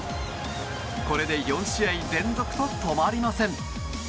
これで４試合連続と止まりません。